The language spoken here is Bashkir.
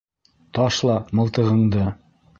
Ташла мылтығыңды!